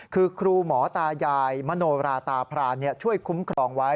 คือครูหมอตายายมโนราตาพรานช่วยคุ้มครองไว้